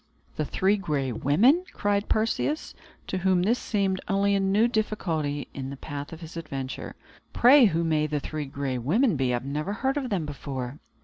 "The Three Gray Women!" cried Perseus, to whom this seemed only a new difficulty in the path of his adventure; "pray who may the Three Gray Women be? I never heard of them before."